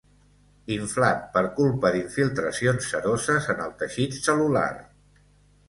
Inflat per culpa d'infiltracions seroses en el teixit cel·lular.